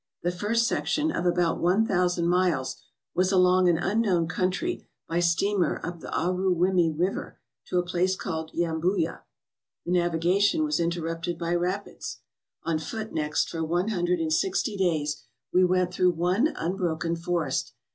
The first section, of about one thousand miles, was along an unknown country by steamer up the Aruwimi River, to a place called Yambuya. The navigation was interrupted by rapids. On foot next for one hundred and sixty days we went through one unbroken forest.